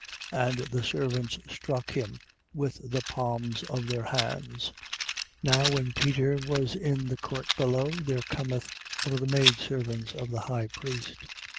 And the servants struck him with the palms their hands. 14:66. Now when Peter was in the court below, there cometh one of the maidservants of the high priest.